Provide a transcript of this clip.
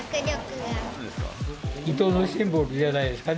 伊東のシンボルじゃないですかね。